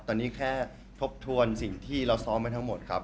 ตอนนี้แค่ทบทวนสิ่งที่เราซ้อมไว้ทั้งหมดครับ